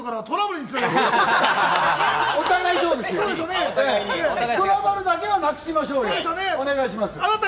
トラブルだけはなくしましょうよ。